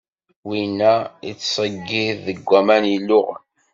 Winna yettseyyiḍ deg aman illuɣen.